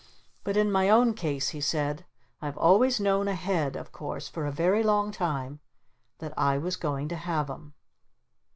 "But in my own case," he said, "I've always known ahead of course for a very long time that I was going to have 'em.